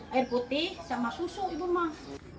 air putih sama susu ibu emas